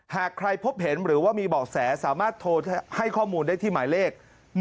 หากใครพบเห็นหรือว่ามีเบาะแสสามารถโทรให้ข้อมูลได้ที่หมายเลข๑๑